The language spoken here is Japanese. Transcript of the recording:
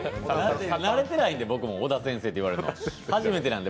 慣れてないんで、僕も小田先生って呼ばれるの。